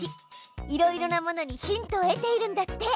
いろいろなものにヒントを得ているんだって！